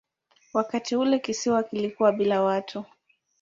Wakati ule kisiwa kilikuwa bila watu.